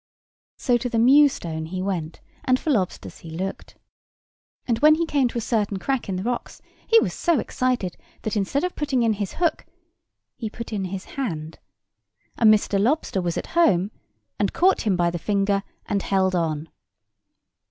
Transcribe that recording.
So to the Mewstone he went, and for lobsters he looked. And when he came to a certain crack in the rocks he was so excited that, instead of putting in his hook, he put in his hand; and Mr. Lobster was at home, and caught him by the finger, and held on.